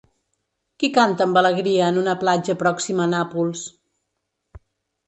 Qui canta amb alegria en una platja pròxima a Nàpols?